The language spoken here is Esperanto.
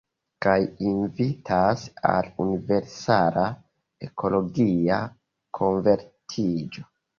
Kaj invitas al universala ekologia konvertiĝo.